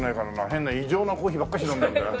変な異常なコーヒーばっかし飲んでるから。